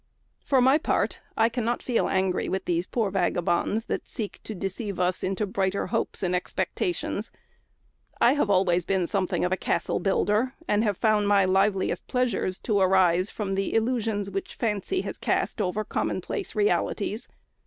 For my part, I cannot feel angry with these poor vagabonds that seek to deceive us into bright hopes and expectations. I have always been something of a castle builder, and have found my liveliest pleasures to arise from the illusions which fancy has cast over commonplace realities.